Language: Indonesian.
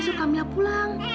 sur kamilah pulang